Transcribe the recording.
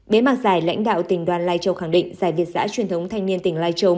bế mạc giải lãnh đạo tỉnh đoàn lai châu khẳng định giải việt giã truyền thống thanh niên tỉnh lai châu